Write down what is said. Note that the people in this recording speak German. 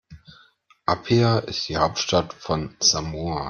Apia ist die Hauptstadt von Samoa.